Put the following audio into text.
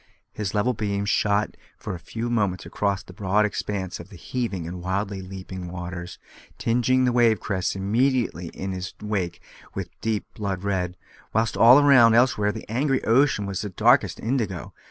His level beams shot for a few moments across the broad expanse of the heaving and wildly leaping waters, tinging the wave crests immediately in his wake with deep blood red, whilst all around elsewhere the angry ocean was darkest indigo.